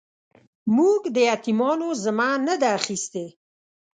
موږ د يتيمانو ذمه نه ده اخيستې.